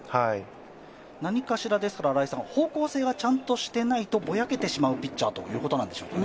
何かしら方向性がちゃんとしていないとぼやけてしまうピッチャーということなんでしょうか。